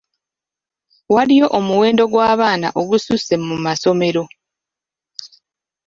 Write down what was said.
Waliyo omuwendo gw'abaana ogususse mu masomero.